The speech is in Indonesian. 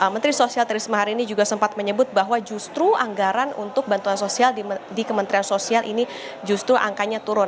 menteri sosial trisma hari ini juga sempat menyebut bahwa justru anggaran untuk bantuan sosial di kementerian sosial ini justru angkanya turun